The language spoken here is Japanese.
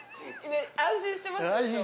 安心してましたでしょ？